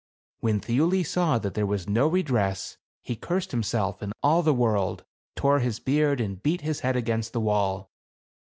When Thiuli saw that there was no redress, he cursed himself and all the world, tore his beard and beat his head against the wall.